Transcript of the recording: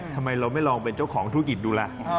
ทำไมเราไม่ลองเป็นเจ้าของธุรกิจดูล่ะ